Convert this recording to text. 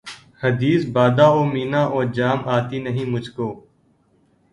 حدیث بادہ و مینا و جام آتی نہیں مجھ کو